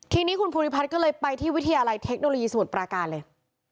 ทีนี้คุณภูริพัฒน์ก็เลยไปที่วิทยาลัยเทคโนโลยีสมุทรปราการเลย